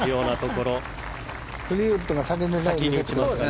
フリートウッドが先に打ちますね。